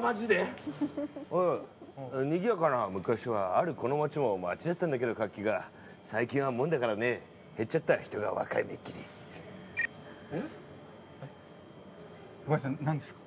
マジでにぎやかな昔はあるこの町も町だったんだけど活気が最近はもんだからね減っちゃった人が若いめっきりえっごめんなさい何ですか？